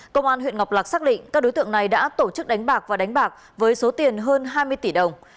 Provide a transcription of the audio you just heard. công an huyện ngọc lạc xác định các đối tượng này đã tổ chức đánh bạc và đánh bạc với số tiền hơn hai mươi tỷ đồng